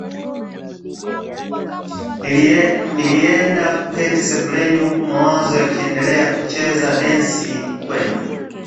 Nilienda kuketi sebuleni huku mawazo yakiendelea kucheza densi kwenye